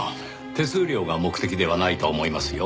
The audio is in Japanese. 手数料が目的ではないと思いますよ。